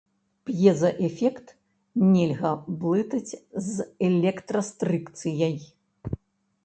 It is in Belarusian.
П'езаэфект нельга блытаць з электрастрыкцыяй.